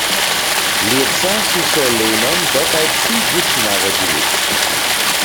Lětsa su so w Lejnom dotal tři dźěći narodźili.